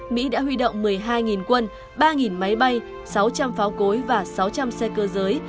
mỹ đã huy động một mươi hai quân ba máy bay sáu trăm linh pháo cối và sáu trăm linh xe cơ giới